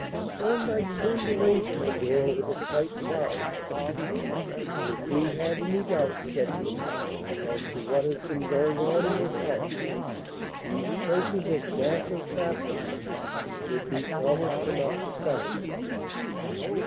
Thorndyke turned away from the door with a slight frown. "If we had any doubts," said he, "as to what has been going on in this house, these traces of massive fastenings would be almost enough to settle them."